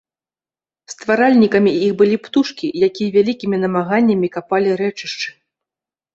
Стваральнікамі іх былі птушкі, якія вялікімі намаганнямі капалі рэчышчы.